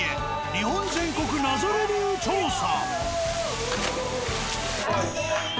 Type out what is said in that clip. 日本全国謎レビュー調査！